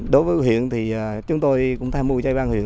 đối với huyện thì chúng tôi cũng tham mưu cho ủy ban huyện